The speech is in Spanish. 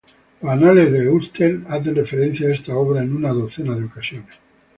Los anales de Ulster hacen referencia a esta obra en una docena de ocasiones.